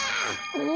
お！